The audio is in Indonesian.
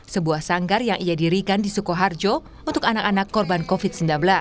sebuah sanggar yang ia dirikan di sukoharjo untuk anak anak korban covid sembilan belas